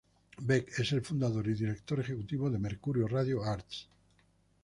Beck es el fundador y director ejecutivo de Mercury Radio Arts.